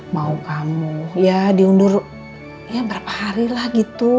mau kamu diundur beberapa hari lah gitu